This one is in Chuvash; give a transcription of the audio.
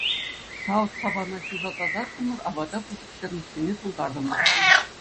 Савӑт-сапана ҫуса тасатрӑмӑр, апата пысӑк термоссене тултартӑмӑр.